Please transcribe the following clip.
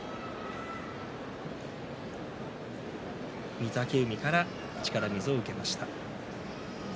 御嶽海から力水を受けました。